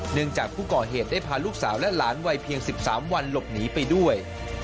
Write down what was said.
จากผู้ก่อเหตุได้พาลูกสาวและหลานวัยเพียง๑๓วันหลบหนีไปด้วย